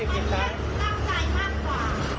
มันแค่ตั้งใจมากกว่า